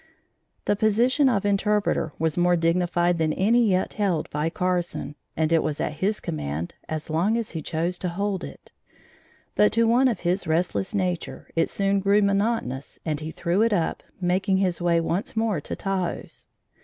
The position of interpreter was more dignified than any yet held by Carson, and it was at his command, as long as he chose to hold it; but to one of his restless nature it soon grew monotonous and he threw it up, making his way once more to Taos.